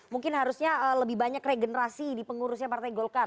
mungkin harusnya lebih banyak regenerasi di pengurusnya partai golkar